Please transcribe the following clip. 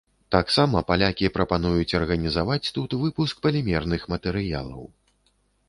Таксама палякі прапануюць арганізаваць тут выпуск палімерных матэрыялаў.